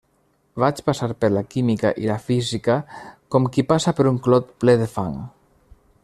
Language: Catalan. Vaig passar per la química i la física com qui passa per un clot ple de fang.